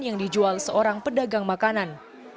yang dijual seorang pedagang makanan